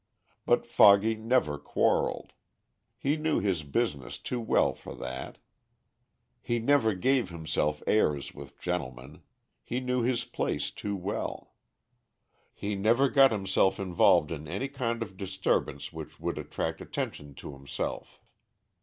But Foggy never quarreled. He knew his business too well for that. He never gave himself airs with gentlemen. He knew his place too well. He never got himself involved in any kind of disturbance which would attract attention to himself.